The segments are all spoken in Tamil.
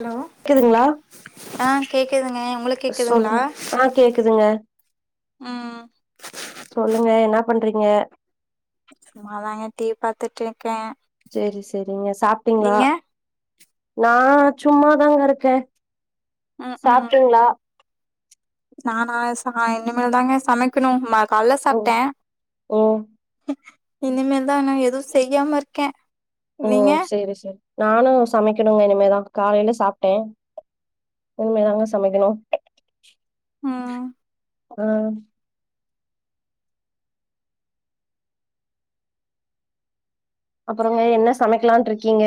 ஹலோ கேக்குதுங்களா ஆ கேக்குதுங்க உங்களுக்கு கேக்குதுங்களா சொல்லுங்க ஆ கேக்குதுங்க ம் சொல்லுங்க என்ன பண்றீங்க சும்மாதாங்க டிவி பாத்துட்டு இருக்கே சேரி சேரிங்க சாப்ட்டுங்களா நீங்க நா சும்மாதா கடக்கே ம் ம் சாப்ட்டீங்களா நானா ச இன்னிமேல தாங்க சமைக்கணு ம கால்ல ஓ சாப்ட்டே ஓ இனிமேல் தா நா எதுவு செய்யாம இருக்கே ஓ நீங்க சேரி சேரி நானு சமைக்கணுங்க இனிமேதா காலைல சாப்ட்டே இனிமேதாங்க சமைக்கணு ம் ஆ அப்பறோங்க என்ன சமைக்லானு இருக்கீங்க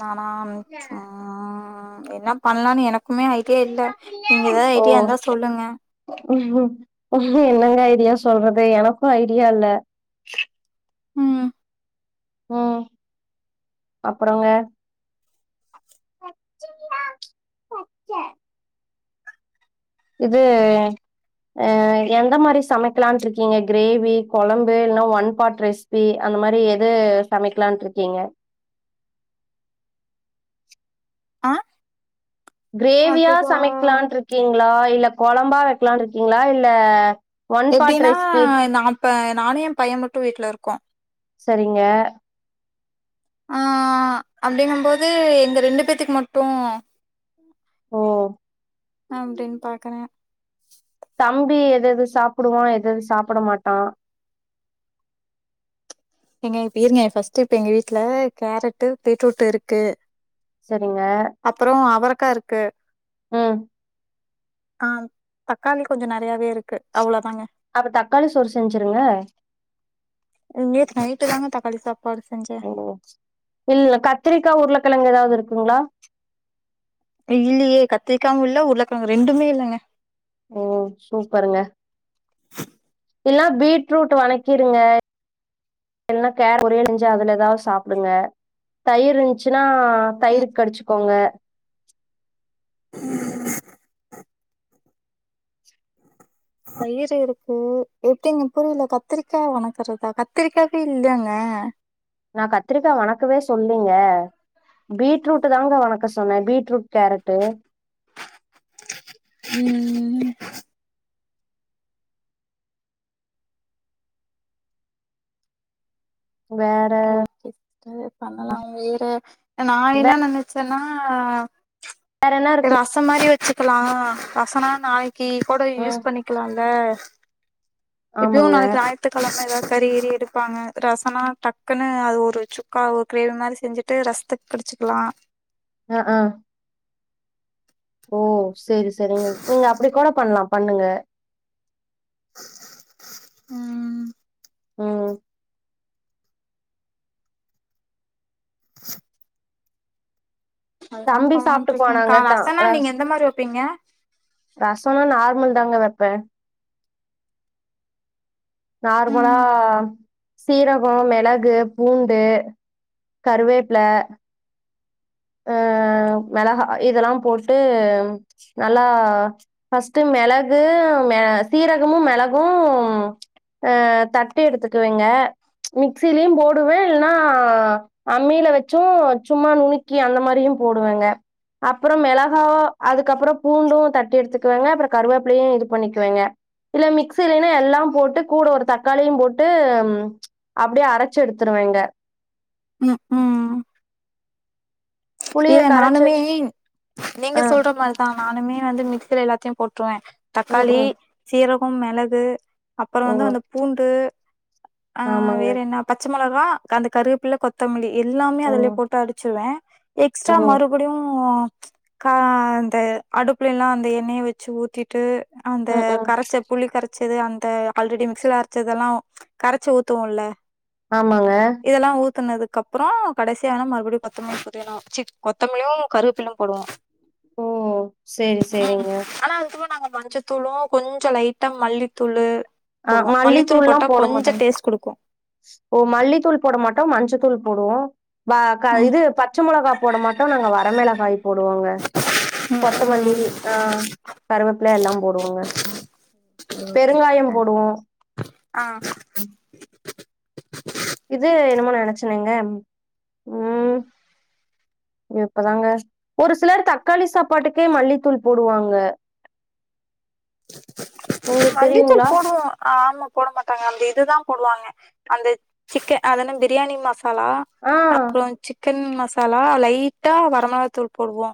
நானா சும் என்ன பண்லானு எனக்குமே ஐ கே இல்ல நீங்க ஏதாவது ஓ ஐடியா இருந்தா சொல்லுங்க என்னங்க ஐடியா சொல்றது எனக்கு ஐடியா இல்ல ம் ம் அப்பறோங்க பட்ச்சிங்களா பட்ச்சேன் இது அ எந்த மாரி சமைக்லான்ட்டு இருக்கீங்க கிரேவி கொழம்பு இல்லனா ஒன் பாட் ரைஸ் வி அந்த மாரி எது சமைக்லான்ட்டுருக்கீங்க ஆ கிரேவியா அதுவா சமைக்கலானுட்ருக்கீங்ளா இல்ல கொழம்பா வைக்கலானுட்ருக்கீங்ளா இல்ல ஒன் பாட் எப்டின்னா ரெசிபி நா இப்ப நானு எ பைய மட்டு வீட்ல இருக்கோ சரிங்க ஆ அப்டிங்கபோது எங்க ரெண்டு பேத்துக்கு மட்டு ஓ அப்டின்னு பாக்கறே தம்பி எது எது சாப்புடுவா எது எது சாப்புட மாட்டா ஏங்க இப்ப இருங்க ஃபஸ்ட் இப்ப எங்க வீட்ல கேரட்டு பீட்ரூட்டு இருக்கு சரிங்க அப்றோ அவரக்கா இருக்கு ம் ஆ தக்காளி கொஞ்சோ நெறையாவே இருக்கு அவ்வளோதாங்க அப்ப தக்காளி சோறு செஞ்சிருங்க நேத்து நைட்டுதாங்க தக்காளி சாப்பாடு செஞ்ச ஓ இல்ல கத்திரிக்கா உருளக்கெழங்கு ஏதாவது இருக்குங்ளா இல்லியே கத்திரிக்காவு இல்ல உருளக்கெழங்கு ரெண்டுமே இல்லங்க ஓ சூப்பருங்க இல்லனா பீட்ரூட் வணக்கிருங்க இல்லனா கேரட் பொரியல் செஞ்சு அதுல ஏதாவது சாப்புடுங்க தயிர் இருந்ச்சினா ஆ ம் தயிரு கடிச்சுக்கோங்க ம் தயிரு இருக்கு எப்டிங்க புரில கத்திரிக்கா வணக்குறதா கத்திரிக்காவே இல்லங்க நா கத்திரிக்கா வணக்கவே சொல்லீங்க பீட்ரூட் தாங்க வணக்க சொன்னே பீட்ரூட் கேரட்டு ம்ம் வேற ஓகே சேரி பண்ணலா வேற நா என்ன நனச்சன்னா வேற என்ன இருக்கு ரசம் மாரி வச்சுக்கலா ரசனா நாளைக் கி கூட ம் யூஸ் பண்ணிக்கலால்ல இப்யு ஆமாங்க நாளைக்கி ஞா த்துக்கெழம ஏதாவது கறி கிறி எடுப்பாங்க ரசனா டக்குன்னு அது ஒரு சுக்கா ஒரு கிரேவி மாரி செஞ்சு ட்டு ரசத்துக்கு கடிச்சுக்லா ஆ ஆ ஓ சேரி சேரிங்க நீங்க அப்டி கூட பண்ணலா பண்ணுங்க ம் ம் அதுதா தம்பி பண்லான்ட்டு சாப்ட்டுபோனாங்க இருக்கேக்கா தா ரசனா நீங்க ரஸ் எந்த மாரி வப்பீங்க ரசோலா நார்மல் தாங்க வெப்பே நார்மலா ம் சீரகோ மெளகு பூண்டு கருவேப்ல ம் மெளகா இதெல்லா போட்டு நல்லா ஃபஸ்ட்டு மெளகு மெ சீரகமு மெளகு ஆ தட்டு எடுத்துக்குவிங்க மிக்ஸிலயு போடுவே இல்னா அம்மில வெச்சு சும்மா நுனிக் க்கி அந்த மாரியு போடுவேங்க அப்புறோ மெளகா அதுக்கப்புறொ பூண்டு தட்டி எடுத்துக்குவங்க அப்புற கருவேப்பிலையு இது பண்ணிக்குவேங்க இல்ல மிக்ஸி இல்லைன்னா எல்லா போட்டு கூட ஒரு தக்காளியு போட்டு அப்டியே அரச்சு எடுத்துருவேங்க ம் ம் புளிய இல்ல கரச்சு நானுமே வச்சு நீங்க ஆ சொல்ற மா தா நானுமே வந்து மிக்சில எல்லாத்தையு போட்றுவே ம் தக்காளி ம் சீரகொ மெளகு அப்புறொ வந்து ம் அந்த பூண்டு ஆ ஆமாங்க வேற என்ன பச்ச மெளகா அந்த கருவேப்பிள கொத் தமிளி எல்லாமே அதுலயே ம் போட்டு அடிச்சுவே எக்ஸ்ட்ரா ஓ மறு படியு கா அந்த அடுப்புல எல்லா அந்த எண்ணெய வச்சு ஊத்தி ட்டு அந்த ம் ம் கரச்ச புளிகரச்சது அந்த ஆல்ரெடி மிக்சில அரச்சதெல்லா கரச்சு ஊத்துவோல ஆமாங்க இதெல்லா ஊத்துனதுக் அப்புறோ கடைசியா வேணா மறுபடிய கொத்தாமல்லி கொஞ் வேணு சி கொத்தமல்லியு கருவேப்பில்லயு போடுவோ ஓ சேரி ம் சேரிங்க ஆனா அதுக்குள்ள நாங்க மஞ்சள் தூளு கொஞ்ச லைட்டா மல்லித்தூளு ஆ போடுவோ மல்லித்தூள் மல்லித்தூள்லா போட்டா போட கொஞ்ச மாட்டோங் டேஸ்ட் குடுக்கு ஓ மல்லித்தூள் போட மாட்டோ மஞ்சத்தூள் போடுவோ வா கா ம் இது பச்ச மெளகா போட மாட்டோ நாங்க வரமெளகாய் போடுவோங்க ம் ம் கொத்தமல்லி ஆ கருவேப்பில எல்லா போடுவோங்க ஓகே பெருங்காயம் சிஸ்டர் போடுவோ ஆ இது என்னமோ நெனச்சனேங்க ம் இப்பதாங்க ஒரு சிலர் தக்காளி சாப்பாட்டுக்கே மல்லித்தூள் போடுவாங்க உங்களுக்கு மல்லித்தூள் தெரியுங்களா போடுவோ ஆமா போட மாட்டாங்க அந்த இதுதா போடுவாங்க அந்த சிக்க அதென்ன பிரியாணி மச் மசாலா ஆ அப்புறோ சிக்கன் மசாலா லைட்டா வரமளாத்தூள் போடுவோ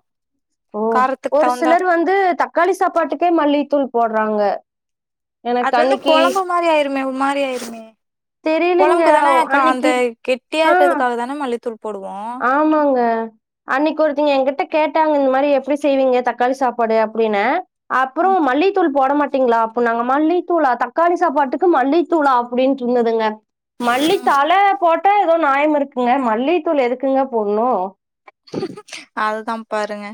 ஓ காரத்துக்கு ஒரு தகுந்தா சிலர் வந்து தக்காளி சாப்பாட்டுக்கே மல்லித்தூள் போடுறாங்க அது எனக்கு வந்து அன்னிக்கி கொழம்பு மாரி ஆயிருமே ஒ மாரி ஆயிருமே தெரியலங்க கொழம்புக்கு தானே கா அந்த அன்னைக்கு கெட்டியா ஆ இருக்குறதுக்காக தானே மல்லித்தூள் போடுவோ ஆமாங்க அன்னைக்கு ஒருத்தீங்க எ கிட்ட கேட்டாங்க இந்த மாரி எப்டி செய்வீங்க தக்காளி சாப்பாடு அப்டினு அப்புறோ ம் மல்லித்தூள் போட மாட்டீங்களா அப்புனாங்க மல்லித்தூளா தக்காளி சாப்பாட்டுக்கு மல்லித்தூளா அப்டின்டு இருந்ததுங்க மல்லித்தழ போட்டா ஏதோ நாயம் இருக்குங்க மல்லித்தூள் எதுக்குங்க போட்ணு அதுதா பாருங்க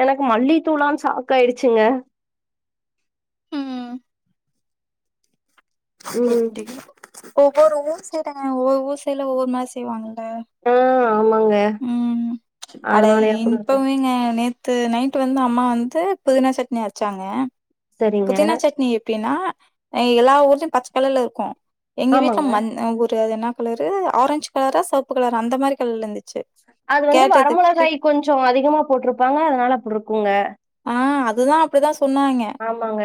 எனக்கு மல்லித்தூளான் சாக் ஆயிடுச்சுங்க ம் ம் ஒவ்வொரு ஊர் சைடுங்க ஒவ்வொரு ஊர் சைல ஒவ்வொரு மாரி செய்வாங்கல ஆ ஆமாங்க ம் அட அதனாலயா கூட இருக்கு இன்பவேங்க நே த்து நைட்டு வந்து அம்மா வந்து புதினா சட்னி அரச்சாங்க சரிங்க புதினா சட்னி எப்டின்னா அ எல்லா ஊர்லயு பச்சக்கலர்ல இருக்கு எங்க வீட்ல ஆமாங்க மன் அ ஒரு அது என்ன கலர் ஆரஞ்சு கலரா செவப்பு கலரா அந்த மாரி கலர்ல இருந்து அது வந்து வரமுளகாய் கொஞ்சொ அதிகமா போட்டுருப்பாங்க அதனால அப்டுருக்குங்க ஆ அதுதா அப்டிதா சொன்னாங்க ஆமாங்க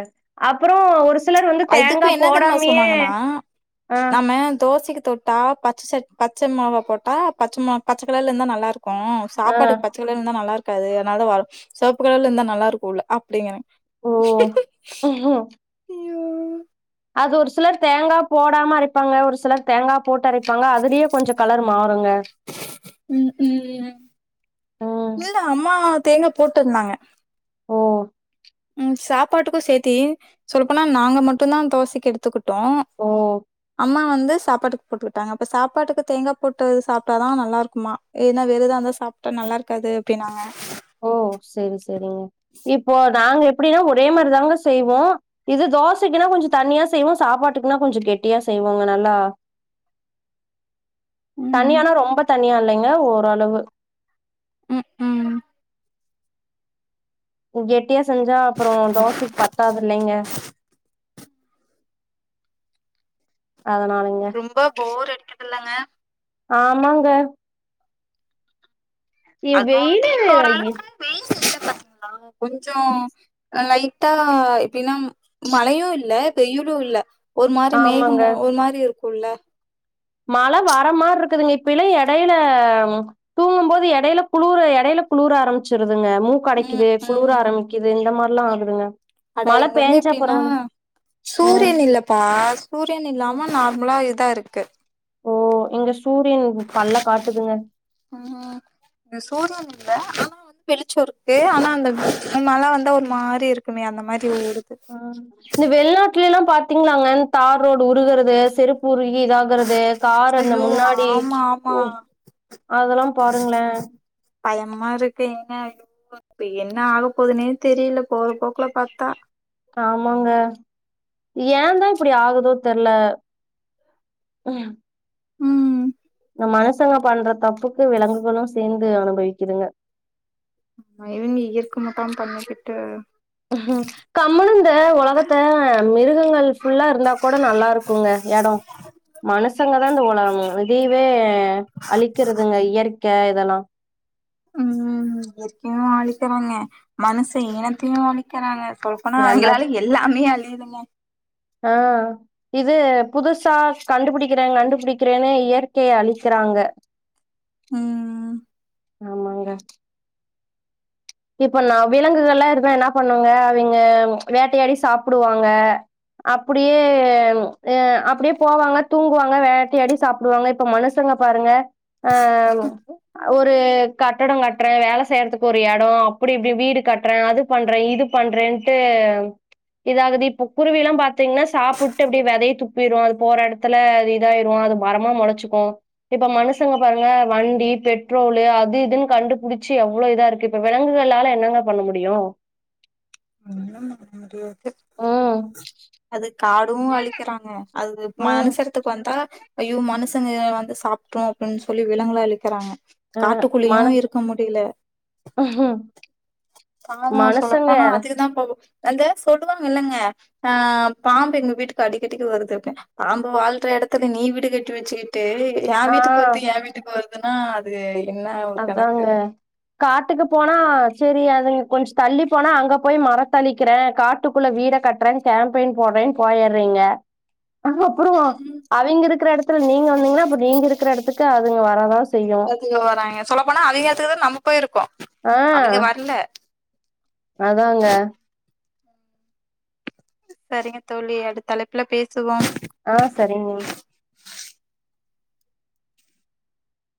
அப்றோ ஒரு சிலர் வந்து அதுக்கு தேங்காப் என்ன தெரிமா போடாமியே சொன்னாங்கன்னா நம்ம தோசைக்கு தொட் டா பச்ச சட் பச்ச மொளகா போட்டா பச்ச ம பச்சக் கலர்ல இருந்தா நல்லாருக்கு ஆ சாப்பாடுக்கு பச்ச கலர் ல இருந்தா நல்லாருக்காது அதனால வர செவப்பு கலர்லா இருந்தா நல்லாருக்கு உள்ள அப்டிங்குறாங் ஓ ஒஹோ ஐயோ! அது ஒரு சிலர் தேங்கா போடாம அரைப்பாங்க ஒரு சிலர் தேங்கா போட்டு அரைப்பாங்க அதுலயே கொஞ்சொ கலர் மாறுங்க ம் ம் ம் இல்ல அம்மா தேங்கா போட்டிருந்தாங்க ஓ ம் சாப்பாட்டுக்கு சேத்தி சொல்லப்போனா நாங்க மட்டுந்தா தோசைக்கு எடுத்துக்கிட்டு டோ ஓ அம்மா வந்து சாப்பாட்டுக் போட்டுக்கிட்டாங்க அப்ப சாப்பாட்டுக்கு தேங்கா போட்டுது சாப்ட்டாதா நல்லா இருக்குமா இல்லன்னா வேறெதா இருந்தா சாப் ட நல்லா இருக்காது அப்டின்னாங்க ஓ செரி செரிங்க இப்போ நாங்க எப்டின்னா ஒரே மாரிதாங்க செய்வோ இது தோசைக்குனா கொஞ்சொ தண்ணியா செய்வோ சாப்பாட்டுக்குன்னா கொஞ்சோ கெட்டியா செய்வோங்க நல்லா ம் தண்ணியான ரொம்ப தண்ணியா இல்லைங்க ஓரளவு ம் ம் கெட்டியா செஞ்சா அப்பறோ தோசைக்கு பத் தாது இல்லைங்க அதனாலதா ரொம்ப போர் அடிக்குதுல்லங்க ஆமாங்க இ அதாது வெயிலு இப்ப இ ஓரளவுக்கு வெயில் சீசன பாத்தீங்களா கொஞ்சொ லைட்டா இப்பில்லம் மழையு இல்ல வெயிலு இல்ல ஒரு மாரி ஆமாங்க மேகமு ஒரு மாரி இருக்குல மழ வர மார் இருக்குதுங்க இப்பெல்லா எடைல ம் தூங்கும் போது எடைல குளூரு எடைல குளுர் ஆரம்புச்சிருதுங்க மூக் ம் கடைக்குது குளுர ம் ஆரம்பிக்குது இந்த மார்லா ஆகுதுங்க அட மழ இங்க வந்து பேஞ்சா எப்டின்னா பரவால ம் சூரியன் இல்லப்பா சூரியன் இல்லாம நார்மலா இதா இருக்கு ஓ இங்க சூரியன் பல்ல காட்டுதுங்க ம் எ சூரியன் இல்ல ஆனா வந் வெளிச்சொ இருக்கு ஆனா அந்த மழ வந்த ஒரு மாரி இருக்குமே அந்த மாரி ஓடுது அ இந்த வெள்நாட்டுலேல்லா பாத்தீங்களாங்க தார் ரோடு உருகறது செருப்பு உருகி இதாகுறது கார் அந்த ஐயோ முன்னாடி ஆமா ஆமா உ அதெல்லா பாருங்களே பயமா இருக்கு ஏன்னா [inaudible] இப்ப என்ன ஆக போகுதுனே தெரில போறபோக்குல பாத்தா ஆமாங்க ஏந்தா இப்டி ஆகுதோ தெர்ல எயா ம் ந்த மனுசங்க பண்ற தப்புக்கு விலங்குகளு சேர்ந்து அனுபவிக்குதுங்க மனிதனு எருக்கமாதா பண்ணிக்கிட்டு ஹம் கமலுந்த ஒலகத்த மிருகங்கள் ஃபுல்லா இருந்தா கூட நல்லா இருக்குங்க எடொ மனுசங்கதா இந்த உலகமே விதைவே அழிக்கிறதுங்க இயற்க்க இதெல்லா ம் இயற்கையு அழிக்கிறாங்க மனுச இனத்தையு அழிக்கிறாங்க சொல் ஆனா எல்லாத் அவிங்களால எல்லாமே அழியுதுங்க ஆ இது புதுசா கண்டுபுடிக்கிறே கண்டுபுடிக்கிறேன்னு இயற்கைய அழிக்கறாங்க ம் ஆமாங்க இப்ப நா விலங்குகள்லா இருந்தா என்னா பண்ணுவாங்க அவிங்க வேட்டையாடி சாப்புடுவாங்க அப்புடியே ம் அ அப்புடியே போவாங்க தூங்குவாங்க வேட்டையாடி சாப்புடுவாங்க இப் ப மனுசங்க பாருங்க ஆ ம் ஒரு கட்டடோ கட்றே வேல செய்றத்துக்கு ஒரு எ டோ அப்டி இப்டி வீடு கட்றே அது பண்றே இது பண்றேன்ட்டு எதாவது இப்ப குருவியெல்லா பா்த்தீங்ன்னா சாப்புட்டு அப்டியே வெதைய துப்பீரு அது போற எடத் துல அது இதாயிரு அது மரமா மொளச்சுக்கு இப்ப மனுஷங்க பாருங்க வண்டி பெட்ரோலு அது இதுன் கண்டுபுடிச்சு எவ்ளோ இதா இருக்கு இப்ப விலங்குகளால என்னங்க பண்ண முடியு ஒன்னும் பண்ண முடியாது ம் அது காடு அழிக்கறாங்க அது ம் மனுஷ எடத்துக் வந்தா ஐயோ மனுசங்க எ வந்து சாப்ட்ரு அப்டின் சொல்லி விலங்குகள அழிக்கறாங்க அ காட்டுக்குள்ளயு இருக்க முடியில ம் ஆமா சொல்ல போனா அதுக தா பாவோ அந்த சொல்லுவாங்கில்லங்க ஆ பாம்பு எங்க வீட்டுக்கு அடிக்கடிக்கு வருது அப்டி பாம்பு வாழ்ற எடத்துல நீ வீடு கட்டி வெச்சுகிட் டு ஏ ஆ வீட்டுக் வருது ஏ வீட்டுக் வர்துன்னா அது என்னா அதாங்க காட்டுக்கு போனா செரி அதுங்க கொஞ்ச தள்ளி போனா அங்க போய் மரத்தழிக்கிறே காட் டுக்குள்ள வீட கட்றே கேம்பெய்ன் போட்றேனு போயர்றீங்க அது அப்றோ அவிங்க இருக்கற எடத்துல நீங்க வந்தீங்ன்னா அப்ப நீங்க இருக்கற எடத்துக்கு அதுங்க வரதா செய்யு இங்கயு வராங்க சொல்ல போனா அவிங்க எடத்துக்கு தா நம்ம போய் இருக்கோ ஆ அவிங்க வர்ல அதாங்க சரிங்க தோழி அடுத் தலைப்புல பேசுவோ ஆ சரிங்க